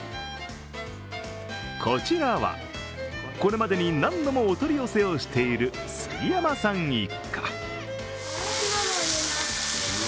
こちらは、これまでに何度もお取り寄せをしている杉山さん一家。